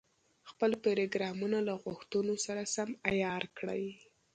خپل پروګرامونه له غوښتنو سره سم عیار کړي.